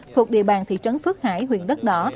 thuộc địa bàn thị trấn phước hải huyện đất đỏ